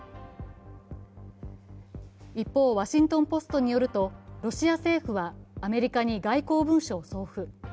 一方、「ワシントン・ポスト」によるとロシア政府はアメリカに外交文書を送付。